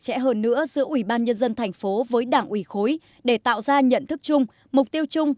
chẽ hơn nữa giữa ủy ban nhân dân thành phố với đảng ủy khối để tạo ra nhận thức chung mục tiêu chung